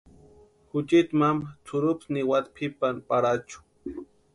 Juchiti mama tsʼurupsi niwati pʼipani Parachu.